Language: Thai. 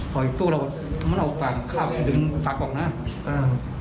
ถอดจากตู้เรามันเอาฝากข้าวดึงฝักออกนะฮะ